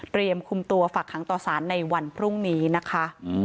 คุมตัวฝากหางต่อสารในวันพรุ่งนี้นะคะ